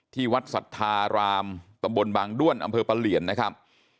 ที่วัดสัทธารามตำบลบางด้วนอำเภอปะเหลียนนะครับ